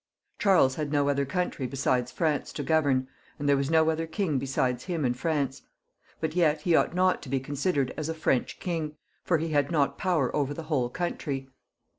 Charles had no other country besides France to govern, and there was no other king beside him in France ; but yet he ought not to be considered as a French king, for he had not power over the whole country.